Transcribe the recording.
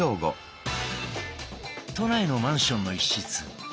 都内のマンションの一室。